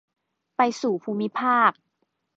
ไปสู่ภูมิภาค